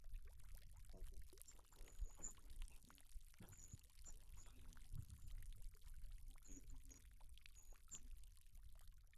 তাকে ধর্ষণ করা হয়েছিল, মাথায় আঘাত করা হয়েছিল এবং বুকে দুবার গুলি করা হয়েছিল।